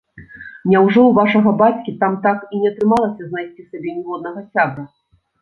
Няўжо ў вашага бацькі там так і не атрымалася знайсці сабе ніводнага сябра?